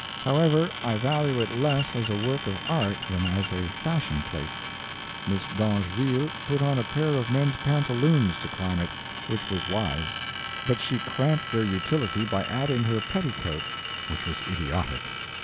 However, I value it less as a work of art than as a fashion plate. Miss d'Angeville put on a pair of men's pantaloons to climb it, which was wise; but she cramped their utility by adding her petticoat, which was idiotic.